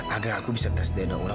agar aku bisa tersedihkan ulang